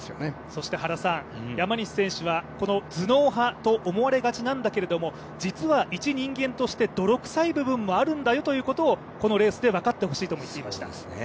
そして山西選手は、頭脳派と思われがちなんだけれども実はいち人間として泥臭い部分もあるんだよというところも、このレースで分かってほしいとも言っていました。